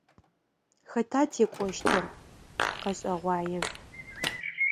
Хэта текӏощтыр? Къэшӏэгъуае.